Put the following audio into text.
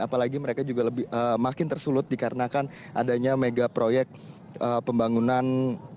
apalagi mereka juga makin tersulut dikarenakan adanya mega proyek pembangunan